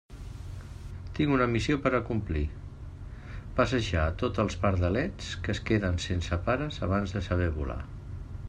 Tinc una missió per a complir: passejar a tots els pardalets que es queden sense pares abans de saber volar.